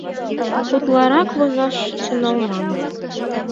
Утларак возаш тӱҥалман.